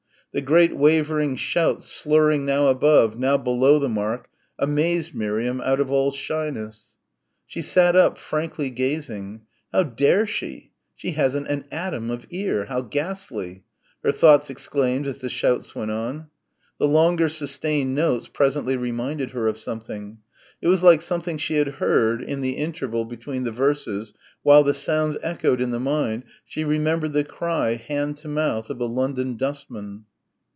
The great wavering shouts slurring now above, now below the mark amazed Miriam out of all shyness. She sat up, frankly gazing "How dare she? She hasn't an atom of ear how ghastly" her thoughts exclaimed as the shouts went on. The longer sustained notes presently reminded her of something. It was like something she had heard in the interval between the verses while the sounds echoed in the mind she remembered the cry, hand to mouth, of a London dustman.